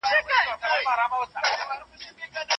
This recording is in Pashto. څېړونکي به خپل اهداف ترلاسه کړي وي.